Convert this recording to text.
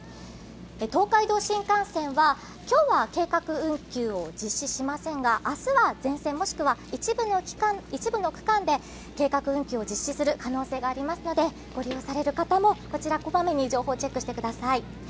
東海道新幹線は今日は計画運休を実施しませんが、明日は全線、もしくは一部の区間で計画運休を実施する可能性がありますので、ご利用される方も情報を小まめにチェックしてください。